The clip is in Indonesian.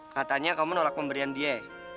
katanya kamu nolak pemberian dia ya